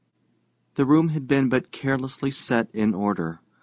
The room had been but carelessly set in order.